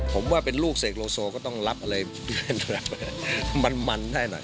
ผมว่าเป็นลูกเสกโลโซก็ต้องรับอะไรเป็นแบบมันให้หน่อย